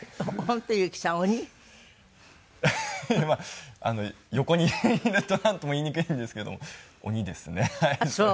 まあ横にいるとなんとも言いにくいんですけれども鬼ですねはい。